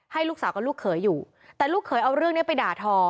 ให้ลูกสาวกับลูกเขยอยู่แต่ลูกเขยเอาเรื่องนี้ไปด่าทอ